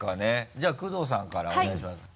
じゃあ工藤さんからお願いしますはい。